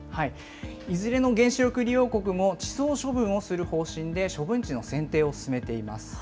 いずれの原子力利用国も、地層処分をする方針で、処分地の選定を進めています。